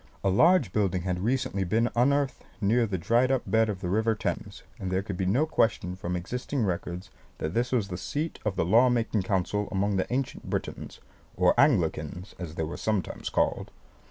A large building had recently been unearthed near the dried up bed of the river Thames; and there could be no question from existing records that this was the seat of the law making council among the ancient Britons or Anglicans, as they were sometimes called.